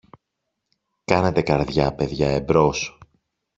Κάνετε καρδιά, παιδιά, εμπρός!